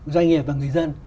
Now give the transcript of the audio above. doanh nghiệp và người dân